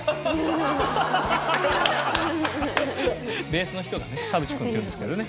ベースの人がね田淵君っていうんですけどね。